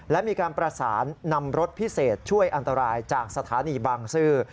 และมีการประสานนำรถพิเศษช่วยอันตรายจากสถานีบางซื่อ